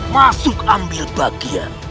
masuk ambil bagian